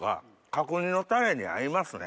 角煮のタレに合いますね。